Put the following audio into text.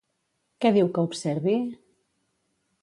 Què diu que observi?